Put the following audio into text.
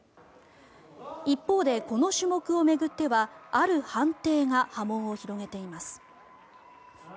一方で、この種目を巡ってはある判定が波紋を広げています。